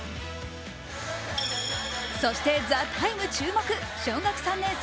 そして「ＴＨＥＴＩＭＥ，」注目小学３年生、